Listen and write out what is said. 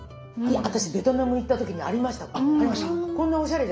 私ベトナム行った時にありましたこれ。